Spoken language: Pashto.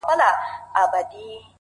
هره ناکامي د راتلونکې لارښوونه کوي؛